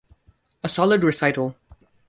A solid recital.